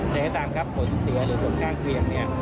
แต่ก็ตามครับผลเสียหรือผลข้างเคียงเนี่ย